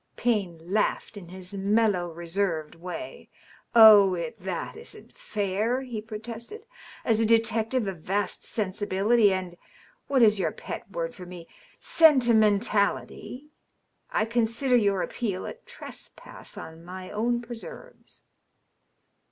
Payne laughed in his mellow, reserved way. " Oh, that isn't fair," he protested. " As a detective of vast sensibility and — what is your pet word for me? .. sentimentality? — ^I consider your appeal a trespass on my own preserves."